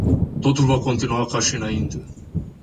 Totul va continua ca și înainte.